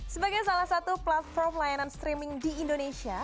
sebagai salah satu platform layanan streaming di indonesia